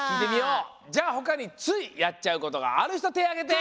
じゃあほかについやっちゃうことがあるひとてをあげて！